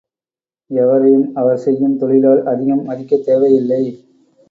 எவரையும் அவர் செய்யும் தொழிலால் அதிகம் மதிக்கத் தேவை இல்லை.